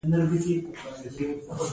د هلمند په خانشین کې کوم کان دی؟